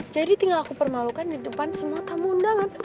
jadi tinggal aku permalukan di depan semua tamu undangan